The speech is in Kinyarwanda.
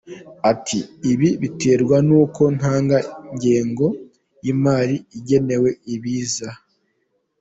Ati “Ibi biterwa n’uko nta ngengo y’imari igenewe Ibiza.